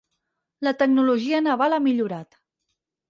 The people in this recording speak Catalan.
La tecnologia naval ha millorat.